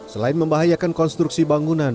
selain membahayakan konstruksi bangunan